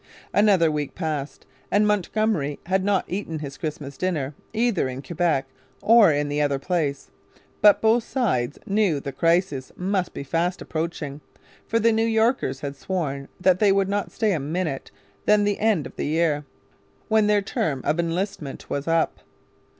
Another week passed; and Montgomery had not eaten his Christmas dinner either in Quebec or in the other place. But both sides knew the crisis must be fast approaching; for the New Yorkers had sworn that they would not stay a minute later than the end of the year, when their term of enlistment was up.